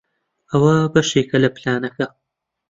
ئەوە بەشێکە لە پلانەکە.